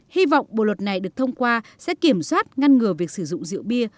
hy vọng bộ luật này được thông qua sẽ kiểm soát ngăn ngừa việc sử dụng rượu bia